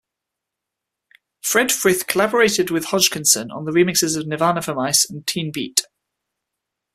Fred Frith collaborated with Hodgkinson on the remixes of "Nirvana for Mice" and "Teenbeat.